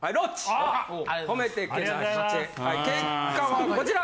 結果はこちら。